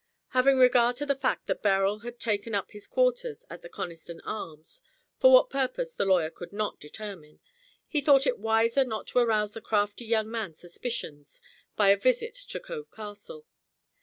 Having regard to the fact that Beryl had taken up his quarters at the Conniston Arms for what purpose the lawyer could not determine he thought it wiser not to arouse the crafty young man's suspicions by a visit to Cove Castle.